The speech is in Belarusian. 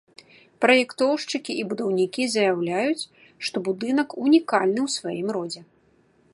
Праектоўшчыкі і будаўнікі заяўляюць, што будынак унікальны ў сваім родзе.